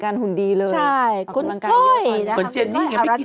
แคตตี้ยายอิงเกลียช